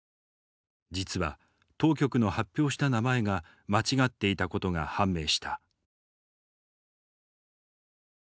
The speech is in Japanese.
実は当局の発表した名前が間違っていたことが判明した。